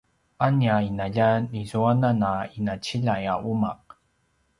a nia ’inaljan izuanan a ’inaciljay a uma’